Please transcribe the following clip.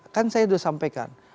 kan saya sudah sampaikan